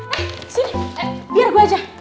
hah sini biar gue aja